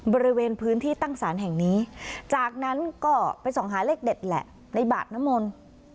บริเวณพื้นที่ตั้งศาลแห่งนี้จากนั้นก็ไปส่องหาเลขเด็ดแหละในบาดน้ำมนต์